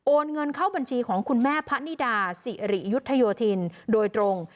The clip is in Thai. เงินเข้าบัญชีของคุณแม่พะนิดาสิริยุทธโยธินโดยตรง